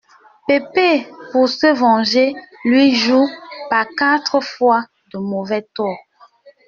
Peppe, pour se venger, lui joue, par quatre fois, de mauvais tours.